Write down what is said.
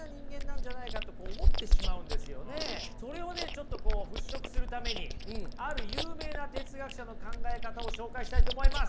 ちょっと払拭するためにある有名な哲学者の考え方を紹介したいと思います！